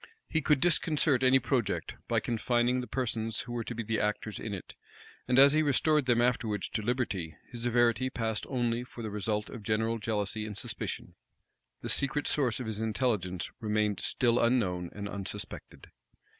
He could disconcert any project, by confining the persons who were to be the actors in it; and as he restored them afterwards to liberty, his severity passed only for the result of general jealousy and suspicion, The secret source of his intelligence remained still unknown and unsuspected.